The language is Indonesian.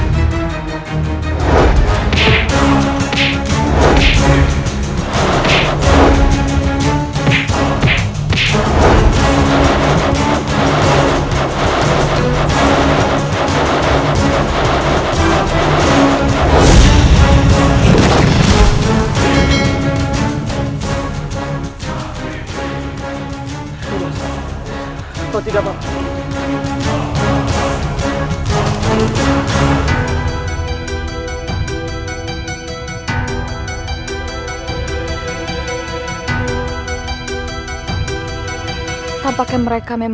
tidak tuhan tidak mau